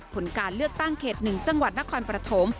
ผลการเลือกตั้งเขต๑จังหวัดนครปฐม